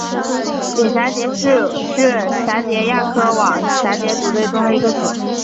远蛱蝶属是蛱蝶亚科网蛱蝶族中的一个属。